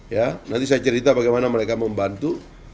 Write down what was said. ya nanti saya cerita bagaimana mereka membantu